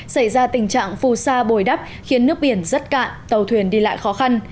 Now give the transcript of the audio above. xảy ra tình trạng phù sa bồi đắp khiến nước biển rất cạn tàu thuyền đi lại khó khăn